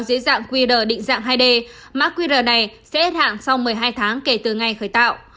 theo dõi dưới dạng qr định dạng hai d má qr này sẽ hết hạn sau một mươi hai tháng kể từ ngày khởi tạo